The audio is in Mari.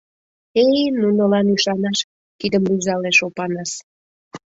— Эй, нунылан ӱшанаш!.. — кидым рӱзалеш Опанас.